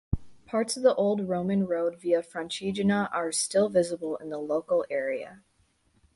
Parts of the old Roman road Via Francigena are still visible in the local area.